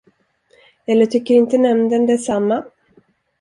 Eller tycker inte nämnden detsamma?